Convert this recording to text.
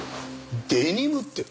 デニムって。